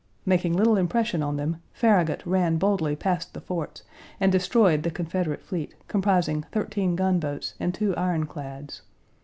Making little impression on them, Farragut ran boldly past the forts and destroyed the Confederate fleet, comprising 13 gunboats and two ironclads.